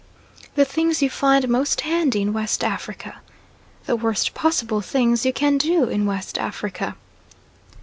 The things you find most handy in West Africa. The worst possible things you can do in West Africa.